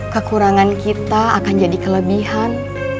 kekurangan kita akan jadi kelebihan